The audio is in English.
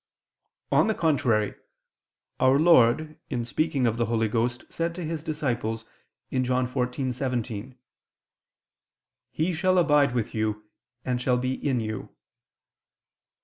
On the contrary, Our Lord in speaking of the Holy Ghost said to His disciples (John 14:17): "He shall abide with you, and shall be in you."